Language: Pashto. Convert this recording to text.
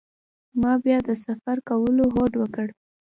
ما بیا د سفر کولو هوډ وکړ.